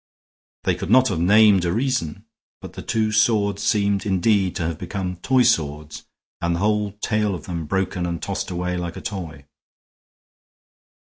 They could not have named a reason, but the two swords seemed indeed to have become toy swords and the whole tale of them broken and tossed away like a toy.